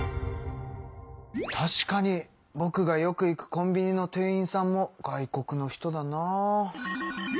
確かにぼくがよく行くコンビニの店員さんも外国の人だな。